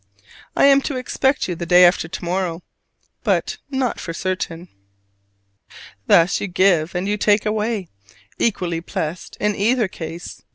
I am to expect you the day after to morrow, but "not for certain"? Thus you give and you take away, equally blessed in either case.